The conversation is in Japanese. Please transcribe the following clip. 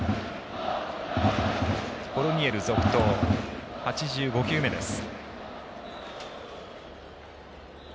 コルニエル、続投８５球目です。